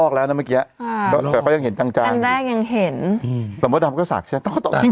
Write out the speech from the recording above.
คือเฉลี่สพุทธ์ดีหอบพี่